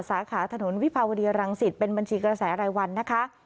สาขาถนนวิภาวดีรังสิตเป็นบัญชีกระแสรายวันนะคะ